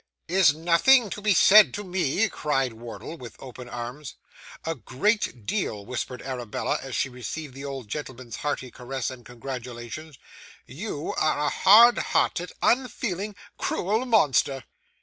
'Is nothing to be said to me?' cried Wardle, with open arms. 'A great deal,' whispered Arabella, as she received the old gentleman's hearty caress and congratulation. 'You are a hard hearted, unfeeling, cruel monster.